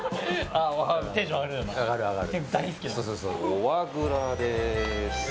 フォアグラです。